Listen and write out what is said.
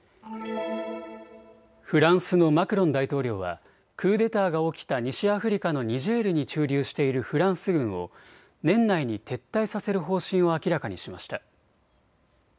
フランスのマクロン大統領はクーデターが起きた西アフリカのニジェールに駐留しているフランス軍を年内に撤退させる方針を明らかにしました。